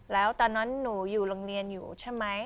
แล้วตอนนั้นหนูอยู่โรงเรียนอยู่ใช่ไหม